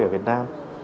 ở việt nam